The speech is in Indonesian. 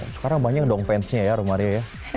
sekarang banyak dong fansnya ya romaria ya